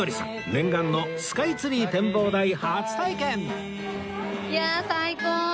念願のスカイツリー展望台初体験！